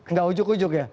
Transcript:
tidak ujuk ujuk ya